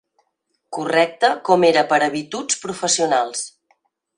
Correcte com era per habituds professionals